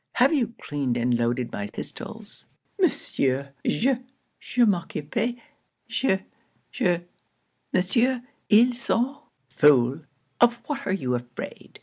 'Have you cleaned and loaded my pistols?' '_Monsieur je, je m'occupais je, je Monsieur, ils sont _' 'Fool, of what are you afraid?